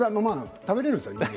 食べられるんです。